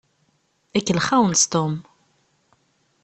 Ikellex-awent Tom.